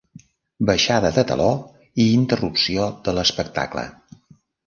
Baixada de teló i interrupció de l'espectacle.